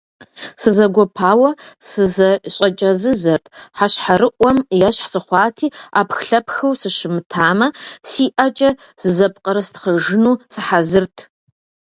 Сызэгуэпауэ сызэщӀэкӀэзызэрт, хьэщхьэрыӀуэм ещхь сыхъуати, Ӏэпхлъэпхыу сыщымытамэ, си ӀэкӀэ зызэпкърыстхъыжыну сыхьэзырт.